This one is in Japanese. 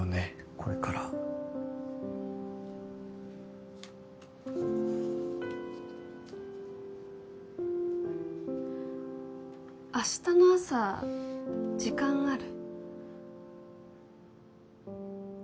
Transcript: これから明日の朝時間ある？